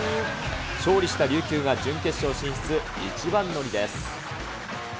勝利した琉球が準決勝進出、一番乗りです。